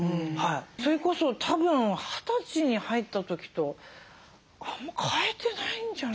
それこそたぶん二十歳に入った時とあんまり変えてないんじゃないかな。